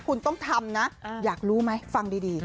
คุณต้องทำนะอยากรู้ไหมฟังดี